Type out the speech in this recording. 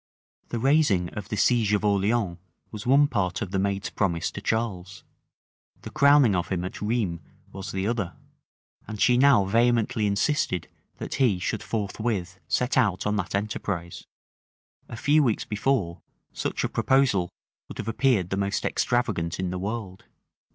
The raising of the siege of Orleans was one part of the maid's promise to Charles: the crowning of him at Rheims was the other: and she now vehemently insisted that he should forthwith set out on that enterprise. A few weeks before, such a proposal would have appeared the most extravagant in the world.